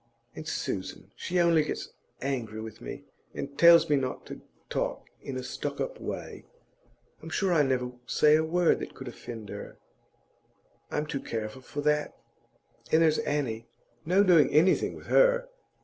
And Susan, she only gets angry with me, and tells me not to talk in a stuck up way. I'm sure I never say a word that could offend her; I'm too careful for that. And there's Annie; no doing anything with her!